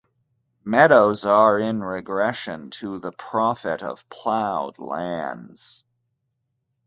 Meadows are in regression to the profit of plowed lands.